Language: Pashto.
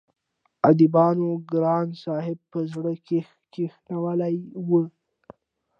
اديبانو ګران صاحب په زړه کښې کښينولی وو